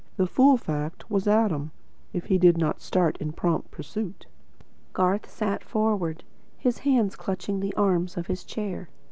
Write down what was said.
The fool fact was Adam, if he did not start in prompt pursuit." Garth sat forward, his hands clutching the arms of his chair.